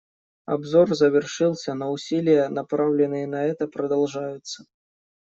Обзор завершился, но усилия, направленные на это, продолжаются.